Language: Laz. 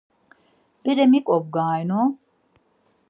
Bere mik omgarinu?